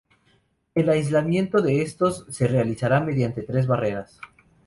El aislamiento de estos se realizará mediante tres barreras.